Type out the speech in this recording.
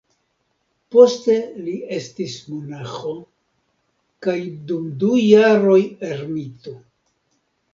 Poste li estis monaĥo, kaj dum du jaroj ermito.